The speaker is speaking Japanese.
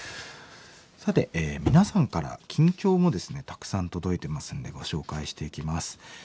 さて皆さんから近況もですねたくさん届いてますんでご紹介していきます。